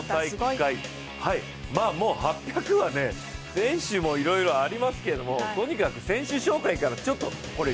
もう８００は選手もいろいろありますけれども、とにかく選手紹介から、これ？